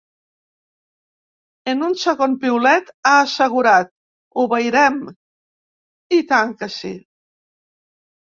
En un segon piulet ha assegurat: Obeirem, i tant que sí.